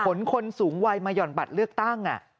คนสูงวัยมาหย่อนบัตรเลือกตั้ง